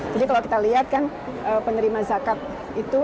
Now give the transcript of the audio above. jadi kalau kita lihat kan penerima zakat itu